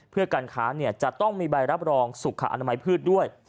เพื่อการค้าจะต้องมีใบรับรองสุขอนามัยพืชด้วย